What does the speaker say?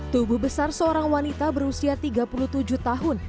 tubuh besar seorang wanita berusia tiga puluh tujuh tahun